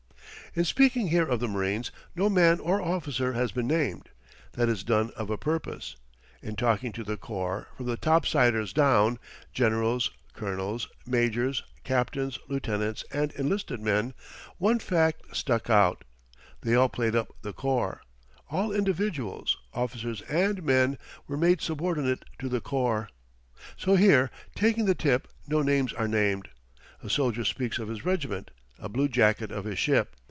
In speaking here of the marines, no man or officer has been named. That is done of a purpose. In talking of the corps, from the topsiders down generals, colonels, majors, captains lieutenants, and enlisted men one fact stuck out: They all played up the corps. All individuals officers and men were made subordinate to the corps. So here, taking the tip, no names are named. A soldier speaks of his regiment, a bluejacket of his ship.